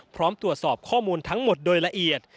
พร้อมตรวจสอบข้อมูลทั้งหมดโดยละเอียด